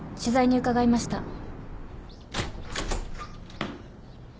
取材に伺いました。